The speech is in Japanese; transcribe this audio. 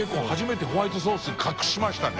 蕕瓩ホワイトソース隠しましたね。